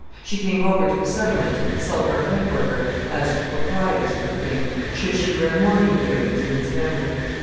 She came over to the Settlement to consult our head worker as to the proprieties of the thing: should she wear mourning earrings in his memory?